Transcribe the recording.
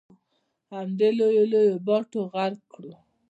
همدې لویو لویو باټو غرق کړو.